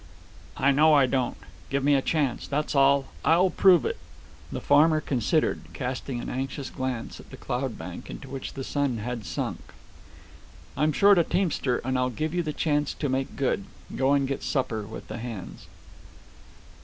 "I know I don't. Give me a chance. That's all. I'll prove it." The farmer considered, casting an anxious glance at the cloud bank into which the sun had sunk. "I'm short a teamster, and I'll give you the chance to make good. Go and get supper with the hands."